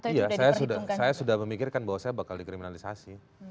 iya saya sudah memikirkan bahwa saya bakal dikriminalisasi